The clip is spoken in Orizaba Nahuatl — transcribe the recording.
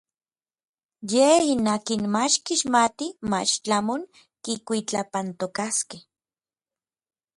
Yej n akin mach kixmatij mach tlamon kikuitlapantokaskej.